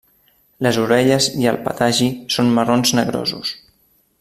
Les orelles i el patagi són marrons negrosos.